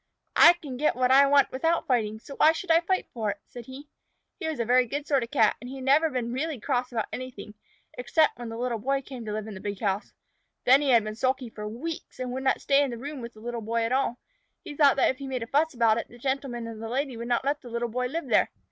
"I can get what I want without fighting for it, so why should I fight?" said he. He was a very good sort of Cat, and had never been really cross about anything except when the Little Boy came to live in the big house. Then he had been sulky for weeks, and would not stay in the room with the Little Boy at all. He thought that if he made enough fuss about it, the Gentleman and the Lady would not let the Little Boy live there.